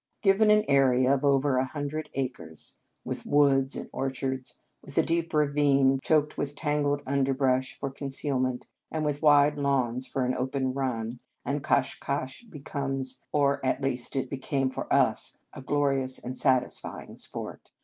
Given an area of over a hundred acres, with woods and orchards, with a deep ravine choked with tangled Un Conge sans Cloche underbrush for concealment, and with wide lawns for an open run, and cache cache becomes, or at least it be came for us, a glorious and satisfying sport.